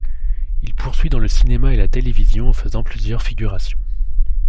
Il poursuit dans le cinéma et la télévision en faisant plusieurs figurations.